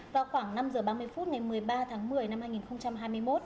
vào khoảng năm h ba mươi phút ngày một mươi ba tháng một mươi năm hai nghìn hai mươi một